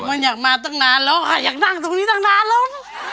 มันอยากมาตั้งนานแล้วค่ะอยากนั่งตรงนี้ตั้งนานแล้ว